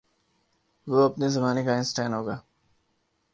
وہ اپنے زمانے کا آئن سٹائن ہو گا۔